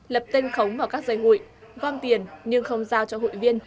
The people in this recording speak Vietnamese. lập tên khống vào các dây hụi gom tiền nhưng không giao cho hụi viên